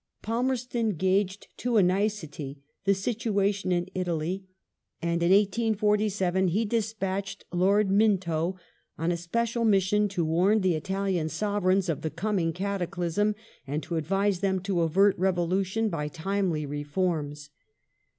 Palmerston gauged to a nicety the situation in Italy, and in 1847 he despatched Lord Minto on a special mission to warn the Italian Sovereigns of the coming cataclysm, and to Italy in advise them to avert revolution by timely reforms.